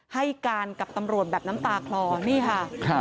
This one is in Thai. ให้การกับตำรวจแบบน้ำตาคลอนี่ค่ะ